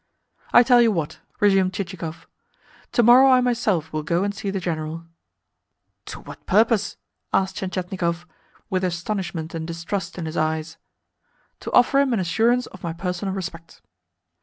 "I tell you what," resumed Chichikov. "To morrow I myself will go and see the General." "To what purpose?" asked Tientietnikov, with astonishment and distrust in his eyes. "To offer him an assurance of my personal respect."